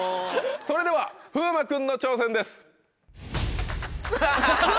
それでは風磨君の挑戦です。アハハハ！